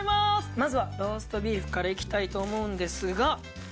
まずはローストビーフからいきたいと思うんですが。